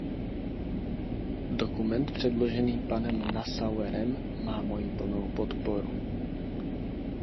Dokument předložený panem Nassauerem má moji plnou podporu.